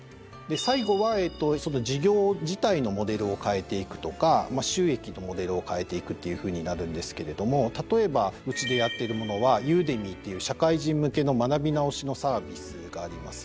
最後は事業自体のモデルを変えていくとか収益のモデルを変えていくっていうふうになるんですけれども例えばうちでやっているものは「Ｕｄｅｍｙ」っていう社会人向けの学び直しのサービスがあります。